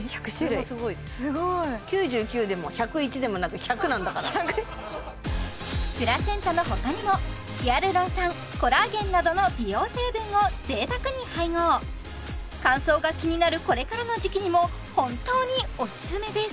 それもすごいすごーいプラセンタの他にもヒアルロン酸コラーゲンなどの美容成分を贅沢に配合乾燥が気になるこれからの時期にも本当におすすめです